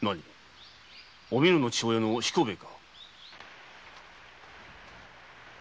おみのの父親の彦兵衛か？